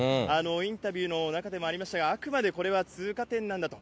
インタビューの中でもありましたが、あくまでこれは通過点なんだと。